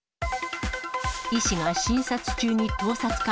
医師が診察中に盗撮か。